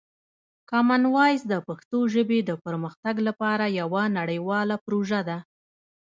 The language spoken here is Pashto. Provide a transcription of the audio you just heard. کامن وایس د پښتو ژبې د پرمختګ لپاره یوه نړیواله پروژه ده.